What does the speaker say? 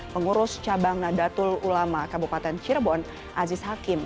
pengurus cabang nadatul ulama kabupaten cirebon aziz hakim